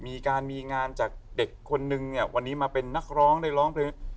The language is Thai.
มีการมีงานจากเด็กคนนึงเนี่ยวันนี้มาเป็นนักร้องได้ร้องเพลง